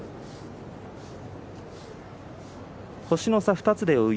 星の差２つで追う